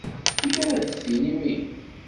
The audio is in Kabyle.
Amek ad iyi-d-tinim ihi?